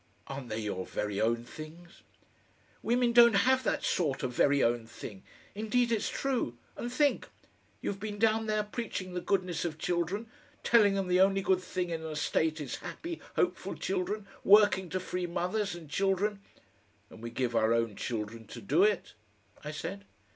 "Aren't they your very own things?" "Women don't have that sort of very own thing. Indeed, it's true! And think! You've been down there preaching the goodness of children, telling them the only good thing in a state is happy, hopeful children, working to free mothers and children " "And we give our own children to do it?" I said.